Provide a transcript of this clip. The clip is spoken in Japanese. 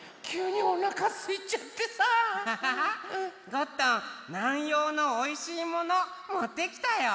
ゴットン南陽のおいしいものもってきたよ！